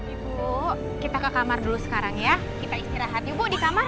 ibu kita ke kamar dulu sekarang ya kita istirahat nih bu di kamar